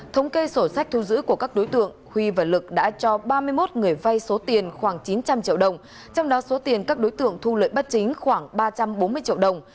thống kê sổ sách thu giữ của các đối tượng huy và lực đã cho ba mươi một người vai số tiền khoảng chín trăm linh triệu đồng trong đó số tiền các đối tượng thu lợi bất chính khoảng ba trăm bốn mươi triệu đồng